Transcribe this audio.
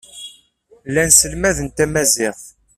Llan sselmaden tamaziɣt.